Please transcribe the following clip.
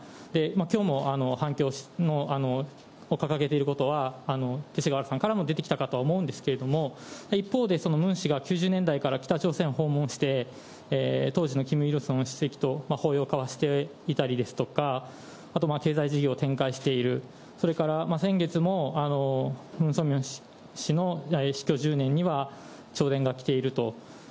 きょうも反共を掲げていることは、勅使河原さんから出てきたかと思うんですけれども、一方で、ムン氏が９０年代から北朝鮮を訪問して、当時のキム・イルソン主席と抱擁を交わしていたりですとか、経済事業を展開している、それから先月も、ムン・ソンミョン氏の死去１０年には弔電が来ていると。